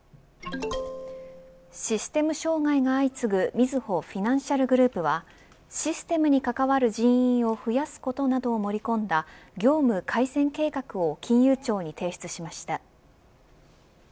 システム障害が相次ぐみずほフィナンシャルグループはシステムに関わる人員を増やすことなどを盛り込んだ業務改善計画を金融庁に提出しました。